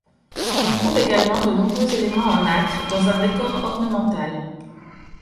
On trouve également de nombreux éléments en nacre, dans un décor ornemental.